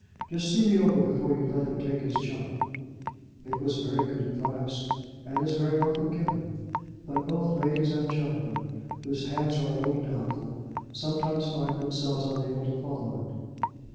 Just see me over before you let him take his jump." It was very good advice, and is very often given; but both ladies and gentlemen, whose hands are a little doubtful, sometimes find themselves unable to follow it.